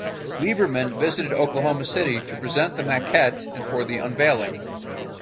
Liberman visited Oklahoma City to present the maquette and for the unveiling.